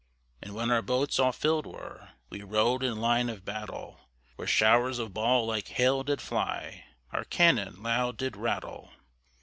And when our boats all fillèd were, We row'd in line of battle, Where showers of ball like hail did fly, Our cannon loud did rattle.